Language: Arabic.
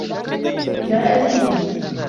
جَاءَتْ الْبِنْتُ.